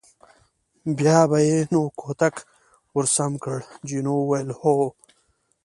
بیا به یې نو کوتک ور سم کړ، جینو وویل: هو.